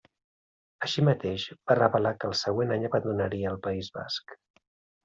Així mateix, va revelar que el següent any abandonaria el País Basc.